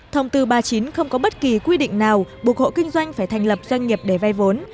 thông tư ba mươi chín không có bất kỳ quy định nào buộc hộ kinh doanh phải thành lập doanh nghiệp để vay vốn